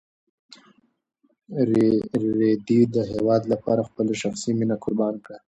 رېدي د هېواد لپاره خپله شخصي مینه قربان کړه.